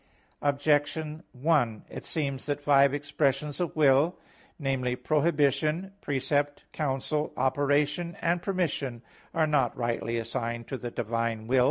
Objection 1: It seems that five expressions of will namely, prohibition, precept, counsel, operation, and permission are not rightly assigned to the divine will.